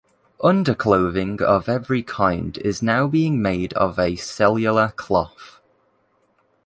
Underclothing of every kind is now being made of a cellular cloth.